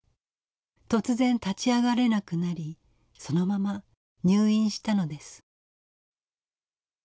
突然立ち上がれなくなりそのまま入院したのです。